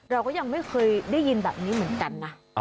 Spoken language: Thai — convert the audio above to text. เราก็ยังไม่เคยได้ยินแบบนี้เหมือนกันนะ